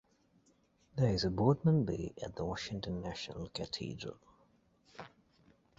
There is a Boardman bay at the Washington National Cathedral.